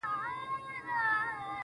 ما یوه شېبه لا بله ځنډولای!!